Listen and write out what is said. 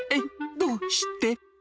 どうして。